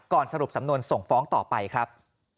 สรุปสำนวนส่งฟ้องต่อไปครับ